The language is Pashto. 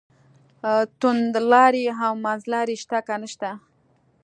توندلاري او منځلاري شته که نشته.